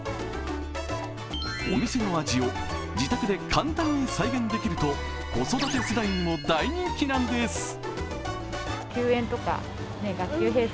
お店の味を自宅で簡単に再現できると、子育て世代にも大人気なんです。